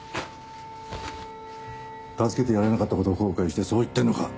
助けてやれなかった事を後悔してそう言ってるのか？